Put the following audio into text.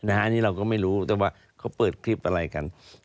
อันนี้เราก็ไม่รู้แต่ว่าเขาเปิดคลิปอะไรกัน